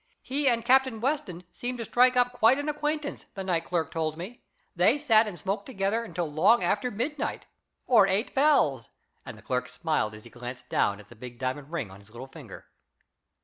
He and Captain Weston seemed to strike up quite an acquaintance, the night clerk told me. They sat and smoked together until long after midnight, or eight bells," and the clerk smiled as he glanced down at the big diamond ring on his little finger.